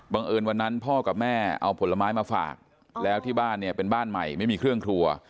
เอิญวันนั้นพ่อกับแม่เอาผลไม้มาฝากแล้วที่บ้านเนี่ยเป็นบ้านใหม่ไม่มีเครื่องครัว